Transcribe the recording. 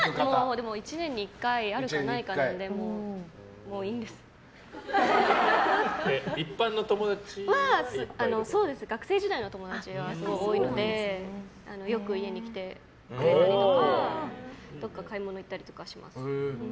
でも１年に１回あるかないかなので一般の友達は？学生時代の友達は多いのでよく家に来てくれたりとかどこか買い物行ったりとかします。